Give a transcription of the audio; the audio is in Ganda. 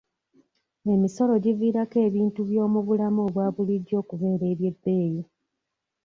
Emisolo giviirako ebintu by'omu bulamu obwa bulijjo okubeera eby'ebbeeyi.